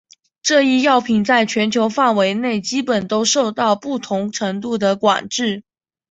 这一药品在全球范围内基本都受到不同程度的管制。